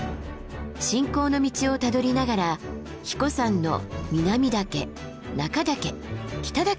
信仰の道をたどりながら英彦山の南岳中岳北岳へ。